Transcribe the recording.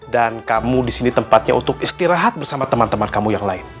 dan kamu di sini tempatnya untuk istirahat bersama teman teman kamu yang lain